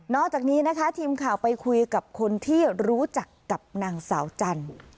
อกจากนี้นะคะทีมข่าวไปคุยกับคนที่รู้จักกับนางสาวจันทร์